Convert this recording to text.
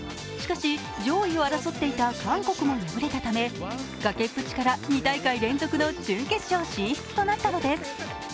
しかし、上位を争っていた韓国も敗れたため崖っぷちから２大会連続の準決勝進出となったのです。